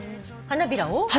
花びらを。